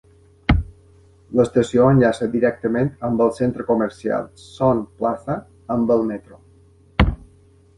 L'estació enllaça directament amb el centre comercial Sun Plaza amb el metro.